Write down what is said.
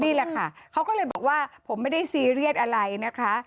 นี่แหละค่ะเขาก็เลยบอกว่าผมไม่ได้ซีเรียสอะไรนะคะ